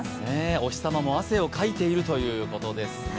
お日様も汗をかいているということですね。